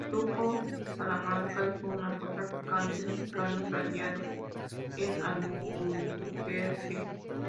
Tuco Salamanca es un narcotraficante mexicano radicado en Albuquerque.